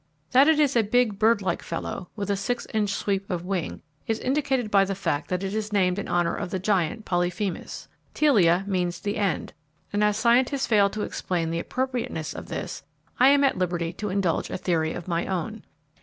That it is a big birdlike fellow, with a six inch sweep of wing, is indicated by the fact that it is named in honour of the giant Polyphemus. Telea means 'the end,' and as scientists fail to explain the appropriateness of this, I am at liberty to indulge a theory of my own.